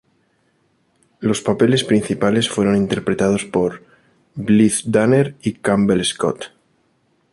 Los papeles principales fueron interpretados por Blythe Danner y Campbell Scott.